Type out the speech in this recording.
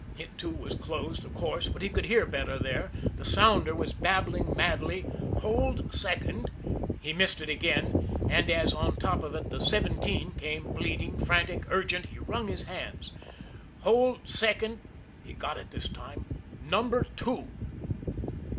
It, too, was closed, of course, but he could hear better there. The sounder was babbling madly. "Hold second " He missed it again and as, on top of it, the "seventeen" came pleading, frantic, urgent, he wrung his hands. "Hold second" he got it this time "Number Two."